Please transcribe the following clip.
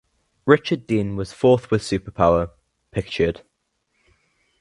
Richard Dean was fourth with Superpower (pictured).